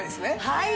はい。